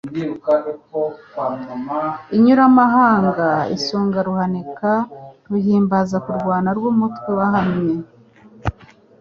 Inyuramahanga isonga Ruhanika, Ruhimbaza kurwana rw'umutwe wahamye,